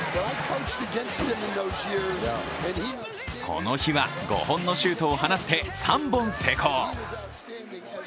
この日は５本のシュートを放って３本成功。